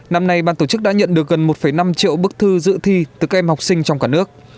năm nay ban tổ chức đã nhận được gần một năm triệu bức thư dự thi từ các em học sinh trong cả nước